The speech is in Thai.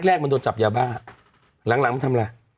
แรกมันโดนจับยาบ้าหลังมันทำอะไร